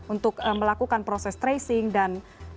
untuk melakukan proses tracing dan